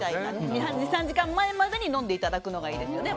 寝る２３時間までに飲んでいただくのがいいですよね。